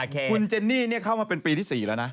คุณเจนนี่เข้ามาเป็นปีที่๔แล้วนะ